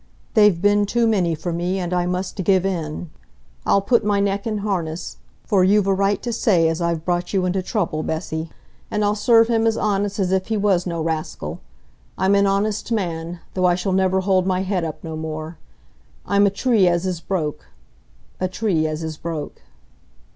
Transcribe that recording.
They've been too many for me, and I must give in. I'll put my neck in harness,—for you've a right to say as I've brought you into trouble, Bessy,—and I'll serve him as honest as if he was no raskill; I'm an honest man, though I shall never hold my head up no more. I'm a tree as is broke—a tree as is broke."